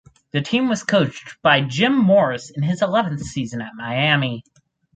The team was coached by Jim Morris in his eleventh season at Miami.